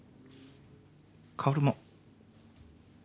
薫も。